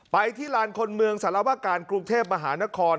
ที่ลานคนเมืองสารวการกรุงเทพมหานคร